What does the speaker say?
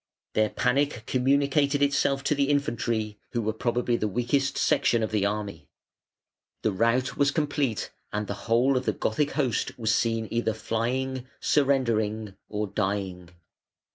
Their panic communicated itself to the infantry, who were probably the weakest section of the army; the rout was complete, and the whole of the Gothic host was seen either flying, surrendering, or dying.